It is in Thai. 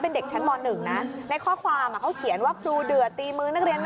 ออกจากตานวิศาสตร์เมื่อกีบ